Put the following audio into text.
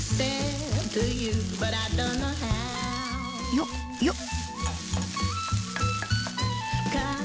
よっよっ！